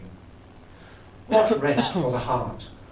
What rest for the heart!